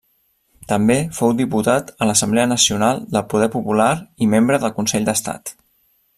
També fou diputat a l'Assemblea Nacional del Poder Popular i membre del Consell d'Estat.